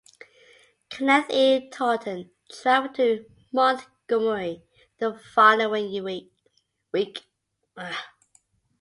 Kenneth E. Totten traveled to Montgomery the following week.